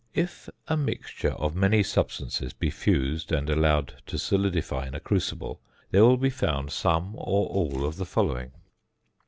If a mixture of many substances be fused and allowed to solidify in a crucible, there will be found some or all of the following.